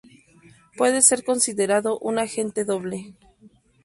Puede ser considerado un agente doble.